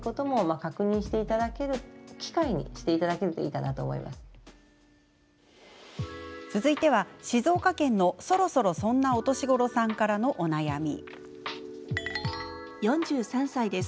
今の時点で、特段続いては、静岡県のそろそろそんなお年頃さんからのお悩み。